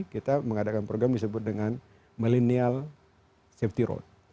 kita mengadakan program disebut dengan millennial safety road